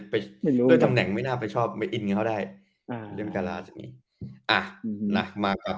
หรอด้วยตำแหน่งไม่น่าไปชอบเชื่อมันไงเขาได้เรื่องการราเพราะนี้